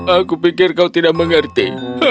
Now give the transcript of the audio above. aku pikir kau tidak mengerti